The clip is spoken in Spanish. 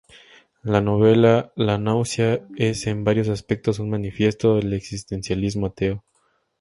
La novela "La náusea" es, en varios aspectos, un manifiesto del existencialismo ateo.